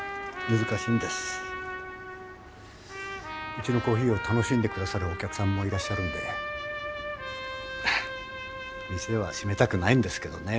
うちのコーヒーを楽しんで下さるお客さんもいらっしゃるんで店はしめたくないんですけどね。